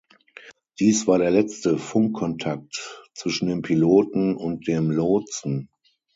Dies war der letzte Funkkontakt zwischen den Piloten und dem Lotsen.